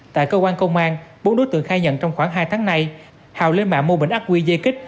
tại cơ quan công an bốn đối tượng khai nhận trong khoảng hai tháng nay hào lên mạng mua bình ác quy dây kích